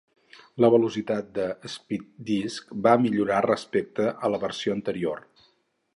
La velocitat de Speed Disk va millorar respecte a la versió anterior.